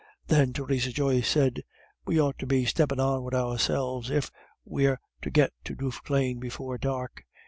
Then Theresa Joyce said, "We ought to be steppin' on wid ourselves, if we're to get to Duffclane before dark.